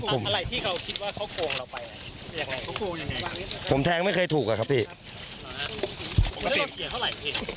ผมแทงไม่เคยถูกอะครับพี่